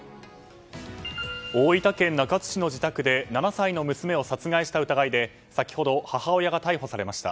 大分県中津市の自宅で７歳の娘を殺害した疑いで先ほど、母親が逮捕されました。